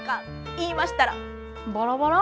言いましたら「バラバラ？